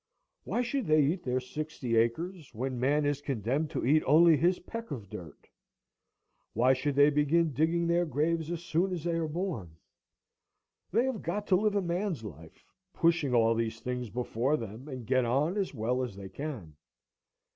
Why should they eat their sixty acres, when man is condemned to eat only his peck of dirt? Why should they begin digging their graves as soon as they are born? They have got to live a man's life, pushing all these things before them, and get on as well as they can.